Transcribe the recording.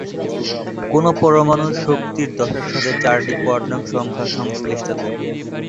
কোন পরমাণুর শক্তির দশার সাথে চারটি কোয়ান্টাম সংখ্যা সংশ্লিষ্ট থাকে।